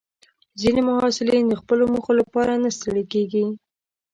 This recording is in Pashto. ځینې محصلین د خپلو موخو لپاره نه ستړي کېږي.